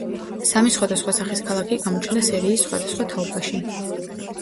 სამი სხვადასხვა სახის ქალაქი გამოჩნდა სერიის სხვადასხვა თაობაში.